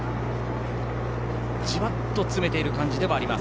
じわっと詰めている感じです。